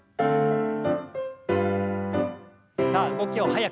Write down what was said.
さあ動きを早く。